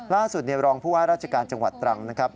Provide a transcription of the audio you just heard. ล่าสุดรองพวกราชการจังหวัดตรังนะครับ